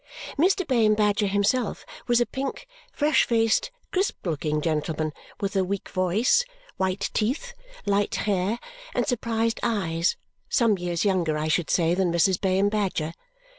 Mr. Bayham Badger himself was a pink, fresh faced, crisp looking gentleman with a weak voice, white teeth, light hair, and surprised eyes, some years younger, I should say, than Mrs. Bayham Badger.